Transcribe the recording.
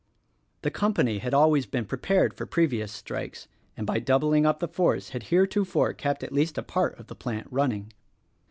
The. company had always been prepared for previous strikes, and by doubling up the force had heretofore kept at least a part of the plant running.